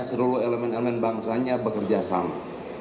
seluruh elemen elemen bangsanya bekerja sama